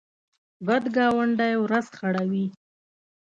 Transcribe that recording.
بد ګاونډی ورځ خړوي